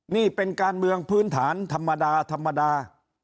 นี่เป็นการเมืองพื้นฐานธรรมดาธรรมดา